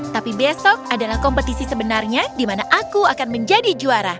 tapi besok adalah kompetisi sebenarnya di mana aku akan menjadi juara